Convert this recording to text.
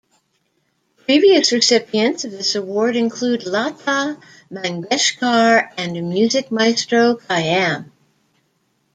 Previous recipients of this award include Lata Mangeshkar and Music Maestro Khayam.